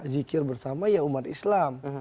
zikir bersama ya umat islam